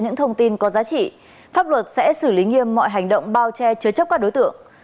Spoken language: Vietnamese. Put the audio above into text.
nếu quý vị có thông tin có giá trị pháp luật sẽ xử lý nghiêm mọi hành động bao che chứa chấp các đối tượng